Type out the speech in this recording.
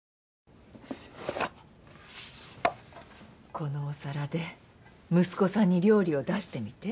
このお皿で息子さんに料理を出してみて。